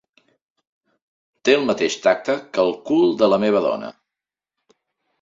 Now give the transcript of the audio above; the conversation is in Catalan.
Té el mateix tacte que el cul de la meva dona.